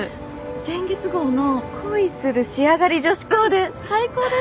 先月号の恋する仕上がり女子コーデ最高でした！